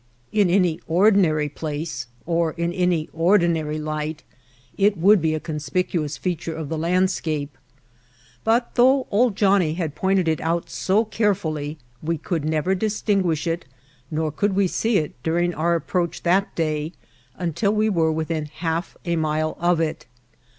In any ordinary place, or in any ordinary light it would be a conspicuous feature of the landscape; but, though ''Old Johnnie" had pointed it out so carefully, we could never distinguish it nor could we see it during our approach that day until we were within half a mile of it.